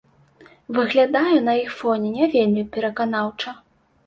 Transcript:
Выглядаю на іх фоне не вельмі пераканаўча.